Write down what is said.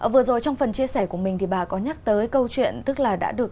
vừa rồi trong phần chia sẻ của mình thì bà có nhắc tới câu chuyện tức là đã được